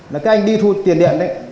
là cái anh đi thu tiền điện đấy